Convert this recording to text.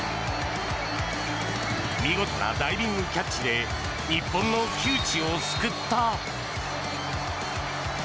見事なダイビングキャッチで日本の窮地を救った。